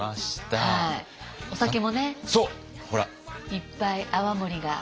いっぱい泡盛が。